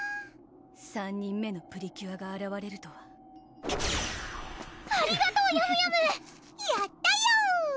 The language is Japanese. ３人目のプリキュアがあらわれるとはクッありがとうヤムヤムやったよ！